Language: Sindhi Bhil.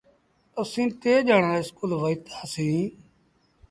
اسيٚݩ ٽي ڄآڻآن اسڪول وهيتآ سيٚݩ۔